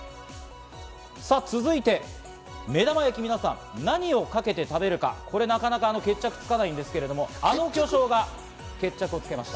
さぁ、続いて目玉焼き、皆さん何をかけて食べるか、これなかなか決着がつかないんですけど、あの巨匠が決着をつけました。